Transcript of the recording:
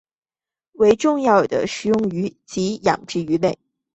为重要的食用鱼及养殖鱼类。